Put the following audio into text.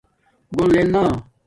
گھور لیل نا